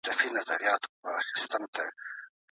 دوی به د بیکارۍ ستونزه په بشپړه توګه حل کړې وي.